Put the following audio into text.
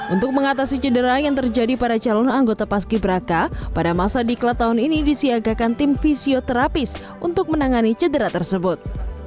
untuk mengatasi jadera yang terjadi pada calon anggota paski braka pada masa di kela tahun ini disiagakan tim fisioterapis untuk menangani jadera tersebut